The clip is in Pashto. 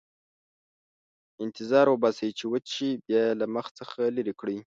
انتظار وباسئ چې وچ شي، بیا یې له مخ څخه لرې کړئ.